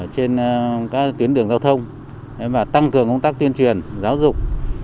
trên các tuyến đường giao thông và tăng cường công tác tuyên truyền giáo dục